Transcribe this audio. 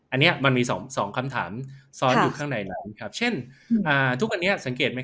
อันนี้มันมี๒คำถามซ้อนอยู่ข้างใน